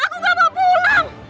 aku gak mau pulang